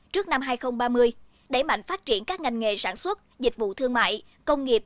trước năm hai nghìn ba mươi đẩy mạnh phát triển các ngành nghề sản xuất dịch vụ thương mại công nghiệp